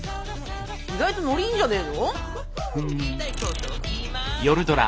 意外とノリいいんじゃねえの？